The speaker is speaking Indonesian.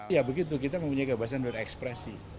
ya begitu kita memiliki kebiasaan dengan ekspresi